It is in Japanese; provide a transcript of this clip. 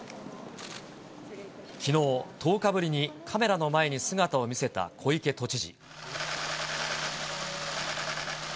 きのう、１０日ぶりにカメラの前に姿を見せた小池都知事。